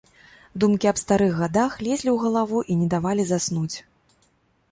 Думкі аб старых гадах лезлі ў галаву і не давалі заснуць.